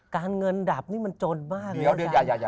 การเงินดับนี่มันจนมากเลย